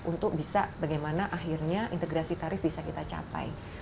untuk bisa bagaimana akhirnya integrasi tarif bisa kita capai